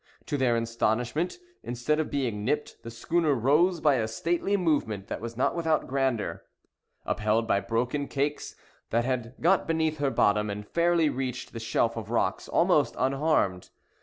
To their astonishment, instead of being nipped, the schooner rose by a stately movement that was not without grandeur, upheld by broken cakes that had got beneath her bottom, and fairly reached the shelf of rocks almost unharmed.